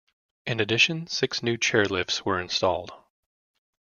In addition six new chairlifts were installed.